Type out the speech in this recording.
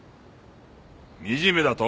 惨めだと？